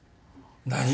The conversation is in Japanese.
何？